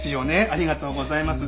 ありがとうございます。